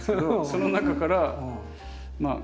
その中からまあ